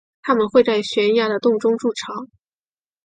它们会在悬崖的洞中筑巢。